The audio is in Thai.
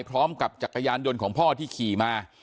จักรยานยนต์ของพ่อที่ขี่มา